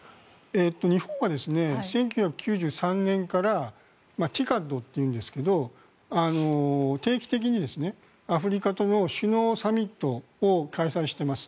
日本は１９９３年からＴＩＣＡＤというんですが定期的にアフリカとの首脳サミットを開催しています。